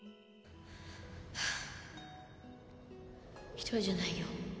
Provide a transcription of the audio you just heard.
１人じゃないよ